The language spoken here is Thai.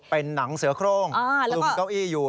เป็นหนังเสือโครงเก้าอี้อยู่